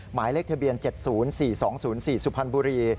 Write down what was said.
หมายเลขทะเบียน๗๐๔๒๐๔สุพรรณบุรี